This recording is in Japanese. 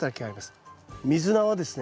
ミズナはですね